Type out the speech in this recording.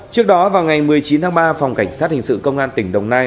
trước đó vào ngày một mươi chín tháng ba phòng cảnh sát hình sự công an tỉnh đồng nai